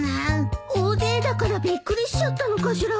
大勢だからびっくりしちゃったのかしら。